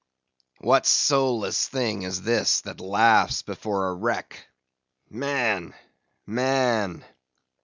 "What soulless thing is this that laughs before a wreck? Man, man!